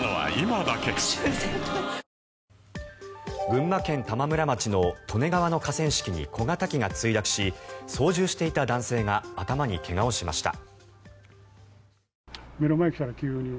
群馬県玉村町の利根川の河川敷に小型機が墜落し操縦していた男性が頭に怪我をしました。